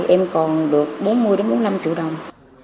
em còn được bốn mươi bốn mươi năm triệu đồng